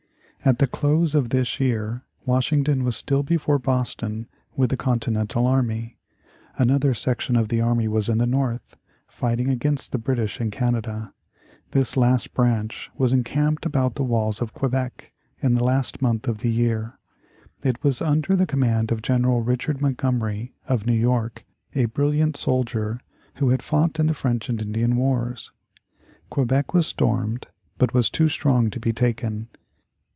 At the close of this year Washington was still before Boston with the Continental army. Another section of the army was in the North, fighting against the British in Canada. This last branch was encamped about the walls of Quebec in the last month of the year. It was under the command of General Richard Montgomery, of New York, a brilliant soldier who had fought in the French and Indian wars. Quebec was stormed, but was too strong to be taken.